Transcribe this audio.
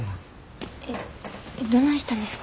えっどないしたんですか？